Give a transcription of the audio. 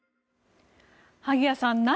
萩谷さん